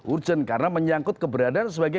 urgent karena menyangkut keberadaan sebagai